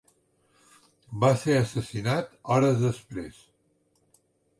Va ser assassinat hores després.